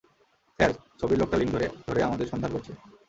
Sir, ছবির লোকটা link ধরে, ধরে আমাদের সন্ধান করছে।